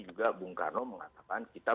juga bung karno mengatakan kita